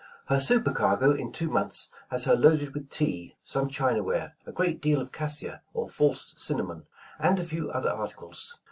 Her super cargo in two months has her loaded with tea, some china ware, a great deal of cassia or false cinnamon, and a few other articles.